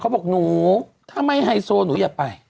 บอกหนูถ้าไม่ไฮโซหนูอย่าไป